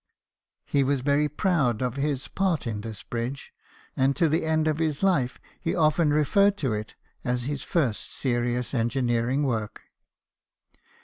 He was very proud of his part in this bridge, and to the end of his life he often referred to it as his first serious engineering work.